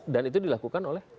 dan itu dilakukan oleh